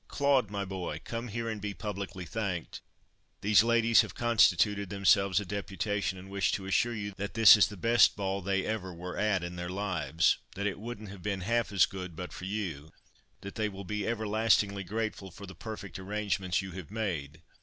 Claude, my boy! come here and be publicly thanked. These ladies have constituted themselves a deputation and wish to assure you that this is the best ball they ever were at in their lives; that it wouldn't have been half as good but for you; that they will be everlastingly grateful for the perfect arrangements you have made.